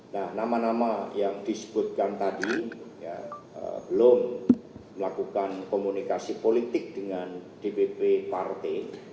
nah nama nama yang disebutkan tadi belum melakukan komunikasi politik dengan dpp partai